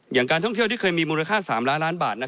อย่างการท่องเที่ยวที่เคยมีมูลค่า๓ล้านล้านบาท